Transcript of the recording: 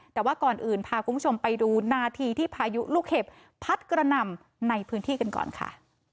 แต่ว่าก่อนอื่นพาคุณผู้ชมไปดูนาทีที่พายุลูกเห็บพัดกระหน่ำในพื้นที่กันก่อนค่ะ